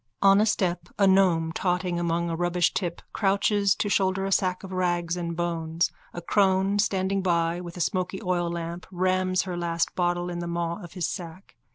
On a step a gnome totting among a rubbishtip crouches to shoulder a sack of rags and bones. A crone standing by with a smoky oillamp rams her last bottle in the maw of his sack.